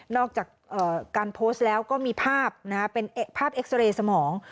อกจากการโพสต์แล้วก็มีภาพเป็นภาพเอ็กซาเรย์สมอง